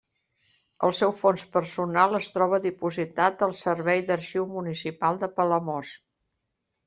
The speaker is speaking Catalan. El seu fons personal es troba dipositat al Servei d’Arxiu Municipal de Palamós.